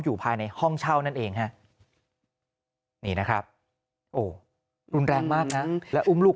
อยู่ภายในห้องเช่านั่นเองฮะนี่นะครับโอ้รุนแรงมากนะแล้วอุ้มลูก